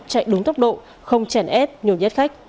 chạy đúng tốc độ không chèn ép nhồi nhét khách